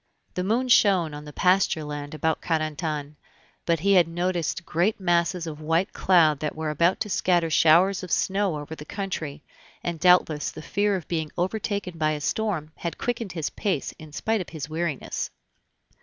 The moon shone on the pasture land about Carentan, but he had noticed great masses of white cloud that were about to scatter showers of snow over the country, and doubtless the fear of being overtaken by a storm had quickened his pace in spite of his weariness.